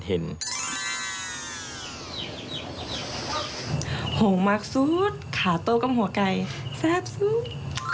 ห่วงมากสุดขาโต๊ะกล้ามหัวไก่แซ่บสุด